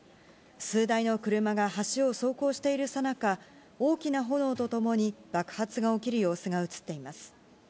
数台の車が橋を走行しているさなか、大きな炎とともに爆発が起きる様子が写っています。